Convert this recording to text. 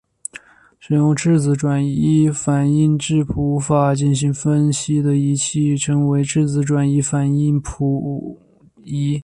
使用质子转移反应质谱法进行分析的仪器称为质子转移反应质谱仪。